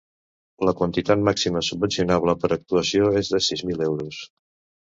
La quantitat màxima subvencionable per actuació és de sis mil euros.